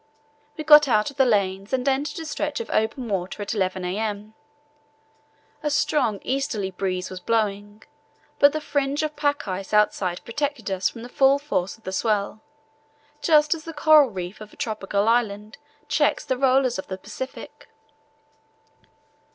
We got out of the lanes, and entered a stretch of open water at 11 a.m. A strong easterly breeze was blowing, but the fringe of pack lying outside protected us from the full force of the swell, just as the coral reef of a tropical island checks the rollers of the Pacific.